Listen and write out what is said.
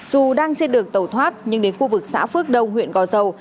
dù đang trên đường tàu thoát nhưng đến khu vực xã phước đông huyện gò dầu